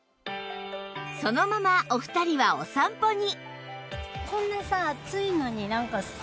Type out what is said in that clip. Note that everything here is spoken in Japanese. そのままお二人はお散歩に